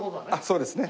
そうですね。